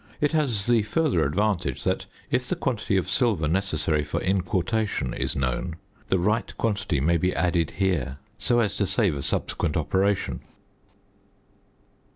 It has the further advantage, that, if the quantity of silver necessary for inquartation is known, the right quantity may be added here, so as to save a subsequent operation.